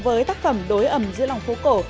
với tác phẩm đối ẩm giữa lòng phố cổ